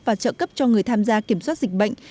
và trợ cấp cho người tham gia kiểm soát dịch bệnh